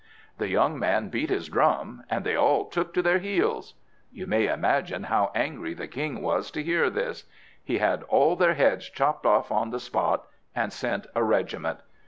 The young man beat his drum, and they all took to their heels! You may imagine how angry the king was to hear this; he had all their heads chopped off on the spot, and sent a regiment.